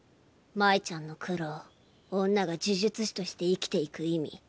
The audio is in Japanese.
真依ちゃんの苦労女が呪術師として生きていく意味